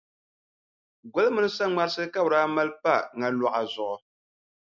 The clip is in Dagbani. Goli mini saŋmarisi ka bɛ daa maali pa ŋa luɣa zuɣu.